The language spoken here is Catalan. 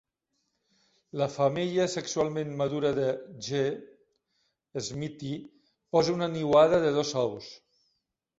La femella sexualment madura de "G. smithii" posa una niuada de dos ous.